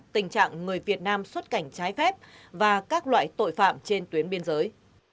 tình trạng người việt nam xuất cảnh trái phép và các loại tội phạm trên tuyến biên giới